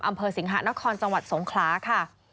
อำเภอสิงหานครจังหวัดสงขลาค่ะ